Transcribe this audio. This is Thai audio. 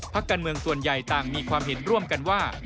การเมืองส่วนใหญ่ต่างมีความเห็นร่วมกันว่า